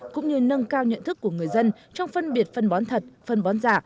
cũng như nâng cao nhận thức của người dân trong phân biệt phân bón thật phân bón giả